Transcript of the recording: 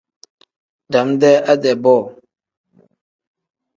Dam-dee ade-bo.